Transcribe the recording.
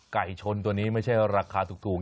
ไก่ชนตัวนี้ไม่ใช่ราคาถูก